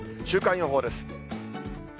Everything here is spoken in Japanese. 週間予報です。